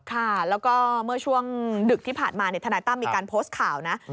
ค่ะแล้วก็เมื่อช่วงดึกที่ผ่านมาทนายตั้มมีการโพสต์ข่าวนะ